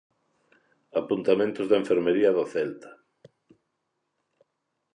Apuntamentos da enfermería do Celta.